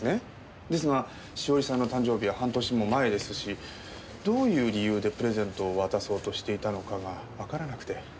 ですが栞さんの誕生日は半年も前ですしどういう理由でプレゼントを渡そうとしていたのかがわからなくて。